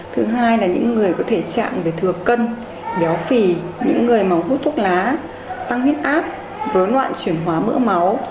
thứ hai là những người có thể chạm về thừa cân béo phì những người mà hút thuốc lá tăng huyết áp dối loạn chuyển hóa mỡ máu